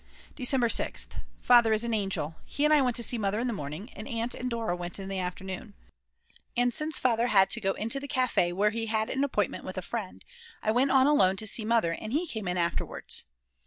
December 6th. Father is an angel. He and I went to see Mother in the morning, and Aunt and Dora went in the afternoon. And since Father had to go into the Cafe where he had an appointment with a friend, I went on alone to see Mother and he came in afterwards.